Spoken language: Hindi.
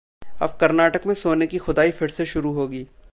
अब कर्नाटक में सोने की खुदाई फिर से शुरू होगी